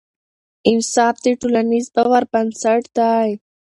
انصاف د ټولنیز باور بنسټ دی